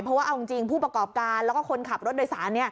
เพราะว่าเอาจริงผู้ประกอบการแล้วก็คนขับรถโดยสาร